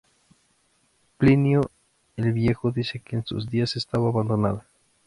Plinio el Viejo dice que en sus días estaba abandonada.